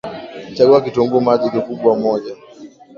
Chagua kitunguu maji kikubwa moja